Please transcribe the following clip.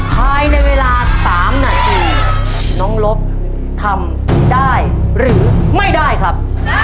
ภายในเวลา๓นาทีน้องลบทำได้หรือไม่ได้ครับ